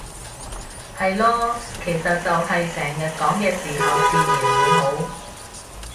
係囉，其實就係成日講嘅時候自然會好